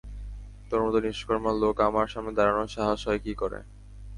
তোর মতো নিষ্কর্মা লোক আমার সামনে দাঁড়ানোর সাহস হয় কি করে?